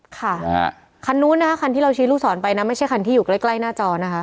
ค่ะนะฮะคันนู้นนะคะคันที่เราชี้ลูกศรไปนะไม่ใช่คันที่อยู่ใกล้ใกล้หน้าจอนะคะ